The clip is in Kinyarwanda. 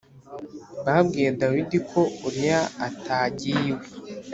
Babwiye Dawidi ko Uriya atagiye iwe